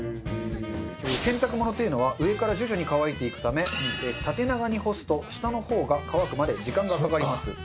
洗濯物というのは上から徐々に乾いていくため縦長に干すと下の方が乾くまで時間がかかります。